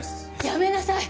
やめなさい！